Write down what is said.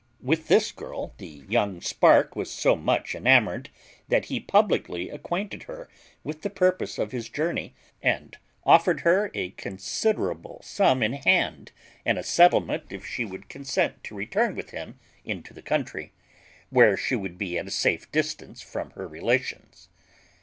With this girl the young spark was so much enamoured that he publickly acquainted her with the purpose of his journey, and offered her a considerable sum in hand and a settlement if she would consent to return with him into the country, where she would be at a safe distance from her relations.